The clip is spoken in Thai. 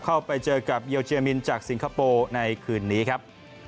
เข้าไปเจอกับเยลเจมินจากสิงคโปร์ในคืนนี้ครับ